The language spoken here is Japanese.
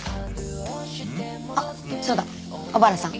あっそうだ小原さん。